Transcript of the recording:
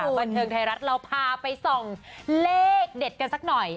บันเทิงไทยรัฐเราพาไปส่องเลขเด็ดกันสักหน่อย